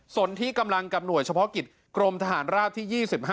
ส่วนที่กำลังกับหน่วยเฉพาะกิจกรมทหารราบที่๒๕